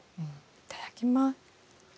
いただきます。